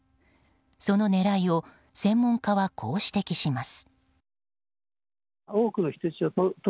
その狙いを専門家はこう指摘します。